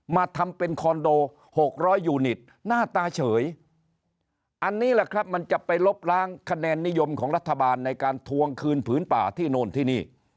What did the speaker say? มาทำเป็นคอนโด๖๐๐ยูนิตหน้าตาเฉยอันนี้แหละครับมันจะไปลบล้างคะแนนนิยมของรัฐบาลในการทวงคืนผืนป่าที่โน่นที่นี่